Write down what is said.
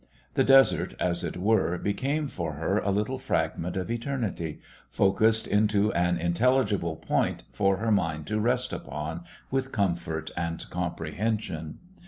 The desert, as it were, became for her a little fragment of eternity, focused into an intelligible point for her mind to rest upon with comfort and comprehension.